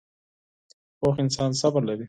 پوخ انسان صبر لري